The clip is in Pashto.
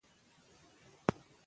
زموږ اقتصاد یو دی.